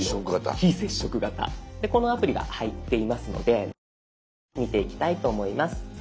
このアプリが入っていますので順番に見ていきたいと思います。